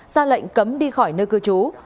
ra lệnh cấm đi khỏi nơi cư trú